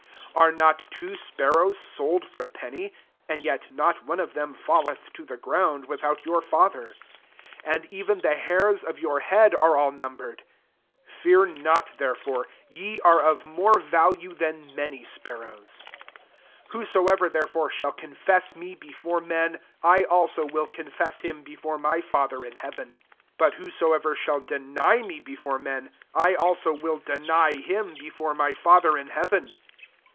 29 Are not two spar rows sold for a penny ? an^ yet not one of them (alleth [io iht ground] without your Father. 30 And even the hairs of your head are all numbered. . SI Fear not therefore: ye are of more value than many spar rows. S2 " Whosoever therefore shall confess me before men^ I also will confess him before my Father in heaven. S3 But vrlio* soever shall deny me before men, I also will deny him be fore my Father in heaven.